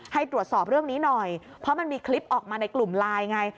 ให้ตรวจสอบเรื่องนี้หน่อยเพราะมันมีคลิปออกมาในกลุ่มไลน์ไง